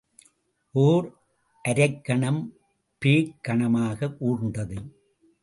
ஓர் அரைக்கணம், பேய்க் கணமாக ஊர்ந்தது.